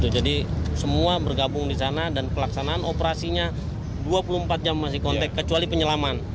jadi semua bergabung di sana dan pelaksanaan operasinya dua puluh empat jam masih kontak kecuali penyelaman